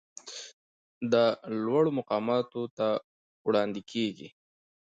دا لوړو مقاماتو ته وړاندې کیږي.